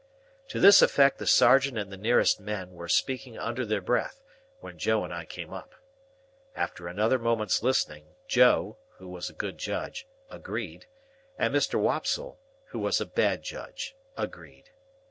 To this effect the sergeant and the nearest men were speaking under their breath, when Joe and I came up. After another moment's listening, Joe (who was a good judge) agreed, and Mr. Wopsle (who was a bad judge) agreed.